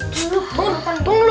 tunggu tunggu tunggu